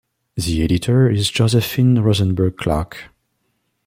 The editor is Josephine Rozenberg-Clarke.